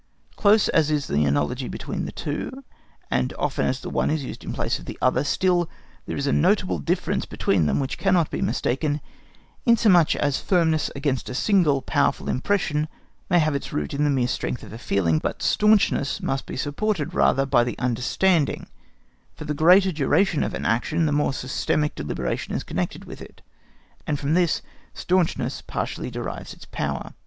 Close as is the analogy between the two, and often as the one is used in place of the other, still there is a notable difference between them which cannot be mistaken, inasmuch as firmness against a single powerful impression may have its root in the mere strength of a feeling, but staunchness must be supported rather by the understanding, for the greater the duration of an action the more systematic deliberation is connected with it, and from this staunchness partly derives its power.